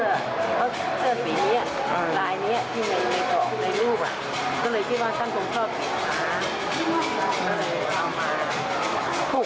เหลือสีนี้ตาไหลนี้ที่ในรูป